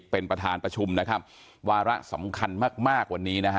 เป็นประธานประชุมนะครับวาระสำคัญมากมากวันนี้นะฮะ